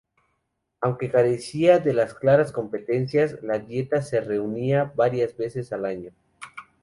Aunque carecía de claras competencias, la Dieta se reunía varias veces al año.